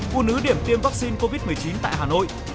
phụ nữ điểm tiêm vaccine covid một mươi chín tại hà nội